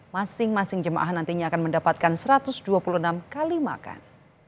masing masing jemaah nantinya akan mendapatkan satu ratus dua puluh enam kali makan